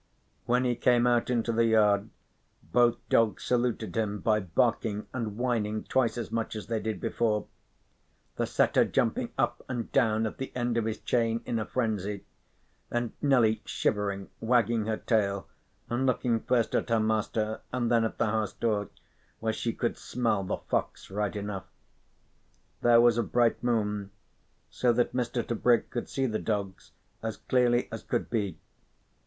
When he came out into the yard both dogs saluted him by barking and whining twice as much as they did before, the setter jumping up and down at the end of his chain in a frenzy, and Nelly shivering, wagging her tail, and looking first at her master and then at the house door, where she could smell the fox right enough. There was a bright moon, so that Mr. Tebrick could see the dogs as clearly as could be.